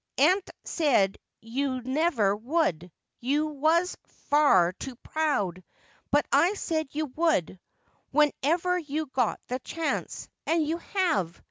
Aunt said you never would — you was far too proud ; but I said you would, whenever you got the chance ; and you have.